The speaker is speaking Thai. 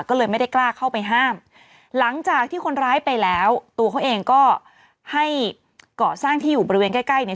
ก็เลยไม่ได้กล้าเข้าไปห้ามหลังจากที่คนร้ายไปแล้วตัวเขาเองก็ให้ก่อสร้างที่อยู่บริเวณใกล้ใกล้เนี่ย